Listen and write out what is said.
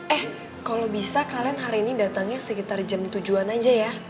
eh kalau bisa kalian hari ini datangnya sekitar jam tujuh an aja ya